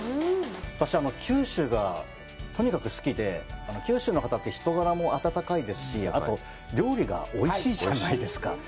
私、九州がとにかく好きで、九州の方って、人柄も温かいですし、あと、料理がおいしいじゃないですか。